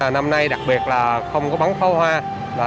năm nay đặc biệt là không có bắn pháo hoa